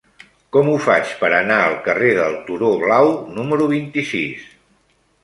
Com ho faig per anar al carrer del Turó Blau número vint-i-sis?